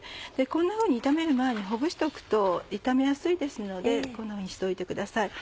こんなふうに炒める前にほぐしておくと炒めやすいですのでこんなふうにしておいてください。